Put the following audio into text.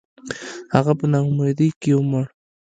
• هغه په ناامیدۍ کې ومړ.